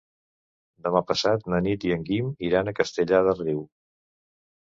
Demà passat na Nit i en Guim iran a Castellar del Riu.